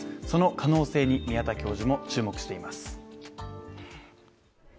その可能性に宮田教授も注目しています。